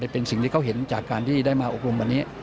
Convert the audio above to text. เป็นสิ่งที่เขาเห็นจากการที่ได้มาอบรมวันนี้